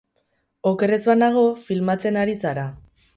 Oker ez banago, filmatzen ari zara.